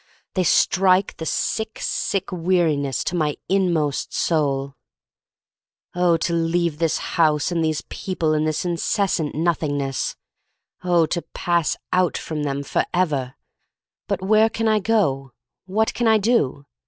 They strike the sick, sick weariness to my inmost soul. Oh, to leave this house and these people, and this intense Nothingness — oh, to pass out from them, forever! But where can I go, what can I do?